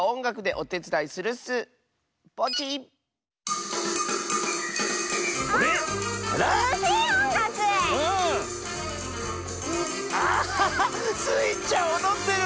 おどってる！